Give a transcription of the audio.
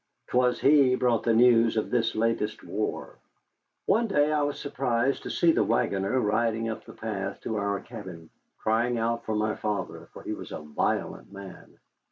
'Twas he brought the news of this latest war. One day I was surprised to see the wagoner riding up the path to our cabin, crying out for my father, for he was a violent man.